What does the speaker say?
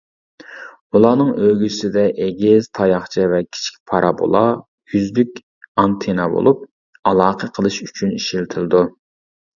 ئۇلارنىڭ ئۆگزىسىدە ئېگىز تاياقچە ۋە كىچىك پارابولا يۈزلۈك ئانتېننا بولۇپ، ئالاقە قىلىش ئۈچۈن ئىشلىتىلىدۇ.